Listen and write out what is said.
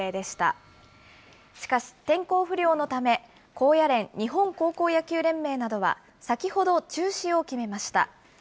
しかし、天候不良のため、高野連・日本高校野球連盟などは、先ほど中止を決めました。